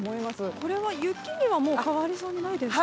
これは、もう雪には変わりそうにないですか？